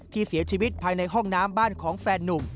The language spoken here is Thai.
เสียชีวิตภายในห้องน้ำบ้านของแฟนนุ่ม